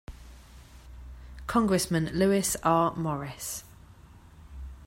Congressman Lewis R. Morris.